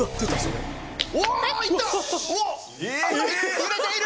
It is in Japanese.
揺れている！